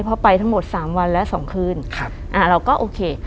เพราะไปทั้งหมด๓วันและ๒คืนเราก็โอเค